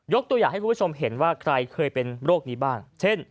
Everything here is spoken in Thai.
ตัวอย่างให้คุณผู้ชมเห็นว่าใครเคยเป็นโรคนี้บ้างเช่น